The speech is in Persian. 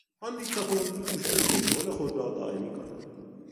آن دیکتاتور میکوشید کنترل خود را دائمی کند.